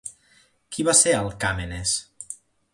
Qui va ser Alcàmenes?